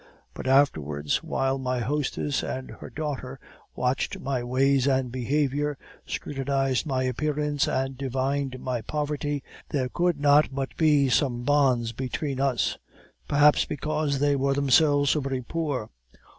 But afterwards, while my hostess and her daughter watched my ways and behavior, scrutinized my appearance and divined my poverty, there could not but be some bonds between us; perhaps because they were themselves so very poor.